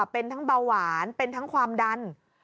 เป็นทั้งเบาหวานเป็นทั้งความดัน